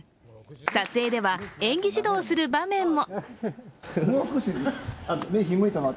撮影では演技指導する場面も。